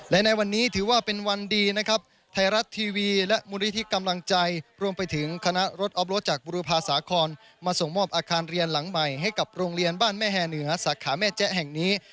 และในวันนี้ถือว่าเป็นวันดีนะครับไทยรัฐทีวีและมูลนิธิกำลังใจรวมไปถึงคณะรถออฟรถจากบุรุภาษาคอนมาส่งมอบอาคารเรียนหลังใหม่ให้กับโรงเรียนบ้านแม่แห่เหนือสาขาแม่แจ๊แห่งนี้